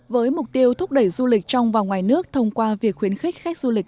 với mục tiêu thúc đẩy du lịch trong và ngoài nước thông qua việc khuyến khích khách du lịch